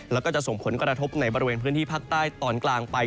แล้วก็จะส่งผลกระทบในบริเวณพื้นที่ภาคใต้ตอนกลางไป